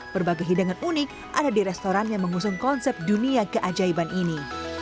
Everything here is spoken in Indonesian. berbagai hidangan unik ada di restoran yang mengusung konsep dunia keajaiban ini